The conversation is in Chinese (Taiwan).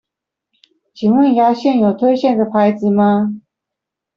請問牙線有推薦的牌子嗎？